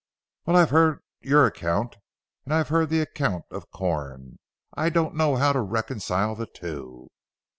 "Well; I have heard your account and I have heard the account of Corn. I do not know how to reconcile the two."